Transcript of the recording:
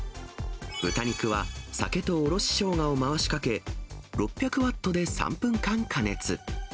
豚肉は酒とおろしショウガを回しかけ、６００ワットで３分間加熱。